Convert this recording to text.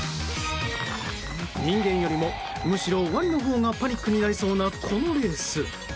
人間よりも、むしろワニのほうがパニックになりそうなこのレース。